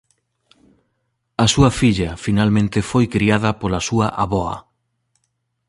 A súa filla finalmente foi criada pola súa avoa.